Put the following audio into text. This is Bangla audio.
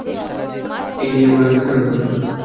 এটা নিয়ে উনাকে দোষারোপ করবেন না।